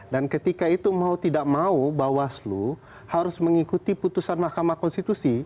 dan ketika itu mau tidak mau bawaslu harus mengikuti putusan mahkamah konstitusi